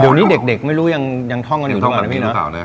เดี๋ยวนี้เด็กไม่รู้ยังท่องกันอยู่ทุกวันนะเพียงเนอะ